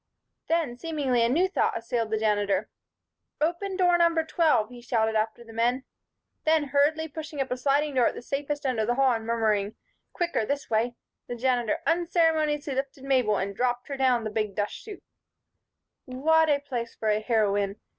Then, seemingly, a new thought assailed the Janitor. "Open door number twelve," he shouted after the men. Then, hurriedly pushing up a sliding door at the safest end of the hall and murmuring "Quicker this way," the Janitor unceremoniously lifted Mabel and dropped her down the big dust chute. What a place for a heroine!